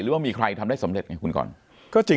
หรือว่ามีใครทำได้สำเร็จไงคุณกร